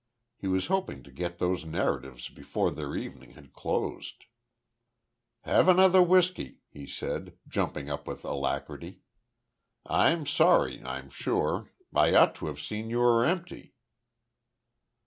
He was hoping to get those narratives before their evening had closed. "Have another whisky," he said, jumping up with alacrity. "I'm sorry, I'm sure. I ought to have seen you were empty."